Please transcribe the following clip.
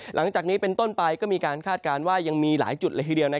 หลังจากนี้เป็นต้นไปก็มีการคาดการณ์ว่ายังมีหลายจุดเลยทีเดียว